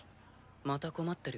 ・また困ってる？